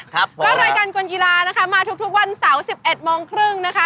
แล้วรายการกวนกีฬานะคะมาทุกวันเสาร์๑๑โมงครึ่งนะคะ